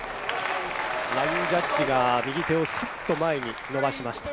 ラインジャッジが右手をスッと前に伸ばしました。